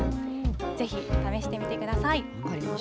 ぜひ試してみてください。